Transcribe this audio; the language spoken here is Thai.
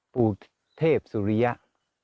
ปู่เทพสุริยะ